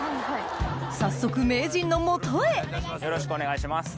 早速名人の元へよろしくお願いします。